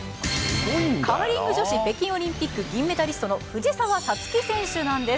カーリング女子北京オリンピック銀メダリストの藤澤五月選手なんです。